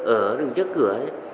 ở đường trước cửa